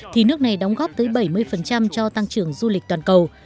thì nước này đóng góp tới bảy mươi cho tăng trưởng du lịch toàn cầu